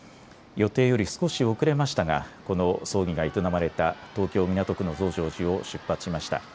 予定より少し遅れましたがこの葬儀が営まれた東京港区の増上寺を出発しました。